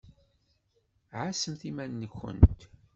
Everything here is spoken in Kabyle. Ɛassemt iman-nkent.